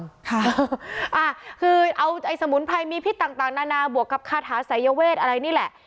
ค่ะคือเอาไอ้สมุนไพรมีพิษต่างนานาบวกกับคาถาสายเวทอะไรนี่แหละ